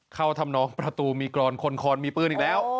ทำนองประตูมีกรอนคนคอนมีปืนอีกแล้ว